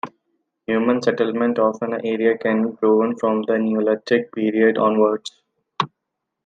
Human settlement of the area can be proven from the neolithic period onwards.